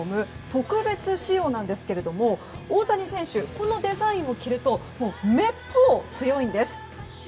特別仕様なんですが大谷選手このデザインを着るとめっぽう強いんです。